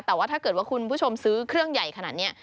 แต่ว่าถ้าเกิดว่าคุณผู้ชมซื้อเครื่องใหญ่ขนาดนี้